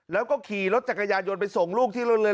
แล้วก็ขี่รถจักรยานยนต์ไปส่งลูกที่โรงเรียน